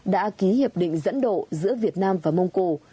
đã ký hiệp định dẫn độ giữa việt nam và mông cổ